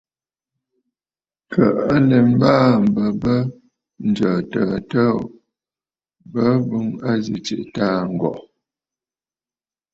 Kə̀ à lɛ mbaà m̀bə bə ǹjə̀ə̀ təə təə ò, bəə boŋ a zi tsiꞌì taaŋgɔ̀ŋə̀.